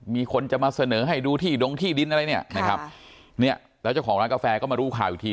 มีคนจะมาเสนอให้ดูที่ดงที่ดินอะไรเนี่ยนะครับเนี่ยแล้วเจ้าของร้านกาแฟก็มารู้ข่าวอีกที